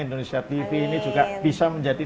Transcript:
indonesia tv ini juga bisa menjadi